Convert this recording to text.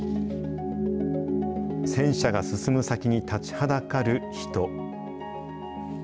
戦車が進む先に立ちはだかる人。